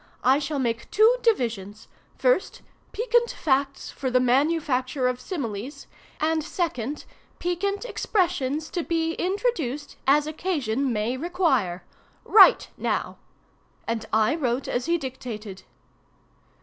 I shall make two divisions: first, Piquant Facts for the Manufacture of Similes, and, second, Piquant Expressions to be introduced as occasion may require. Write now!"—and I wrote as he dictated.